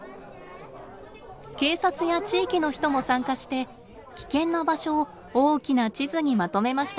警察や地域の人も参加して危険な場所を大きな地図にまとめました。